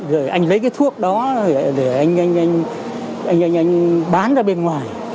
rồi anh lấy cái thuốc đó để anh anh bán ra bên ngoài